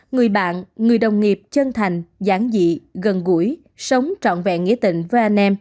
người bạn người đồng nghiệp chân thành giảng dị gần gũi sống trọn vẹn nghĩa tình với anh em